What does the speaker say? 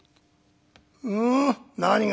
「うん？何が？